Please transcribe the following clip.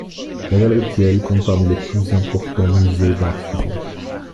La galerie Thiel compte parmi les plus importants musées d'art suédois.